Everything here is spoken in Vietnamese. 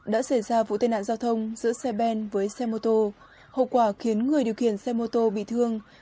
đã xảy ra vụ tai nạn giao thông giữa xe ben với xe mô tô hậu quả khiến người điều khiển xe mô tô bị thương